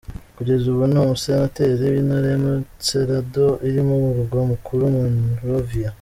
Kugeza ubu ni umusenateri w’Intara ya Montserrado irimo umurwa mukuru Monrovia.